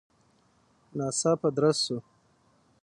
ناڅاپه درز شو.